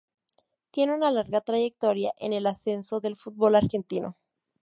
Tiene una larga trayectoria en el ascenso del fútbol argentino.